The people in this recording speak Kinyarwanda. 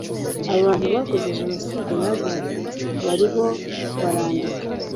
abantu bakoze Jenoside nabo bariho barandika